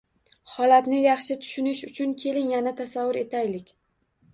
Holatni yaxshi tushunish uchun keling, yana tasavvur etaylik.